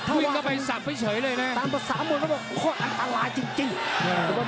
วิ่งเข้าไปสับไปเฉยเลยน่ะตามประสาทมนตร์ก็บอกข้ออันตรายจริงจริง